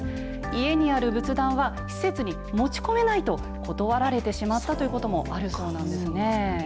家にある仏壇は施設に持ち込めないと断られてしまったということもあるそうなんですね。